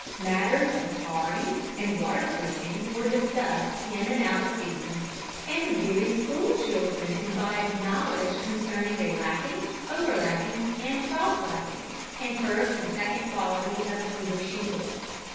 Matters of tarring and water proofing were discussed in and out of season, and the very school children imbibed knowledge concerning lapping, overlapping, and cross lapping, and first and second quality of cedar shingles.